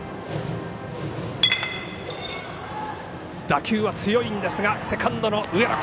打球は強いですがセカンドの上野。